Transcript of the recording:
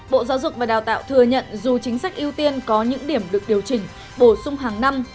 bộ giáo dục và đào tạo thừa nhận dù chính sách ưu tiên có những điểm được điều chỉnh bổ sung hàng năm